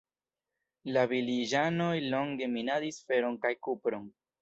La vilaĝanoj longe minadis feron kaj kupron.